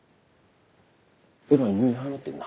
えらい入院早なってんな。